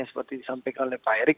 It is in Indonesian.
seperti disampaikan oleh pak erick